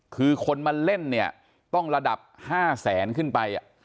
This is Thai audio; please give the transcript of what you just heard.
คือคนมาเล่นเนี่ยต้องระดับ๕แสนขึ้นไป